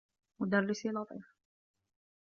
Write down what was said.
مدرّسي لطيف.